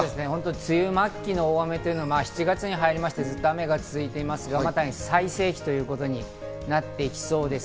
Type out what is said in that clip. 梅雨末期の大雨というのは７月に入ってずっと雨が続いていますが、今、最盛期ということになっていきそうです。